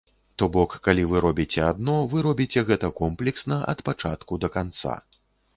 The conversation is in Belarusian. То бок, калі вы робіце адно, вы робіце гэта комплексна ад пачатку да канца.